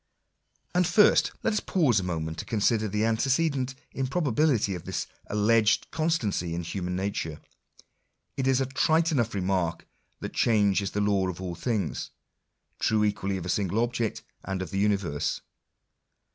And first, let us pause a moment to consider the antecedent improbability of this alleged constancy in human nature. It I is a trite enough remark that change is the law of all things : i true equally of a single object, and of the universe.